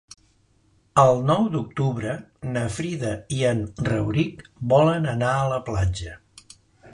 El nou d'octubre na Frida i en Rauric volen anar a la platja.